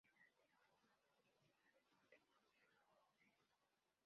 Es la antigua forma provincial del nombre propio "Louis".